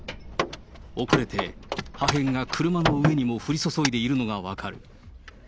遅れて破片が車の上にも降り注いでいるのが分かる。